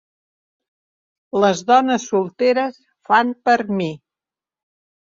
Les dones solteres fan per mi.